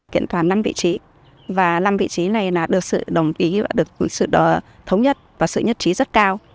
kiện toàn năm vị trí và năm vị trí này là được sự đồng ý và được sự thống nhất và sự nhất trí rất cao